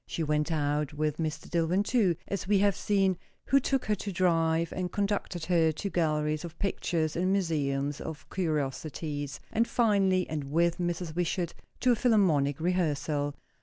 She went out with Mr. Dillwyn, too, as we have seen, who took her to drive, and conducted her to galleries of pictures and museums of curiosities; and finally, and with Mrs. Wishart, to a Philharmonic rehearsal.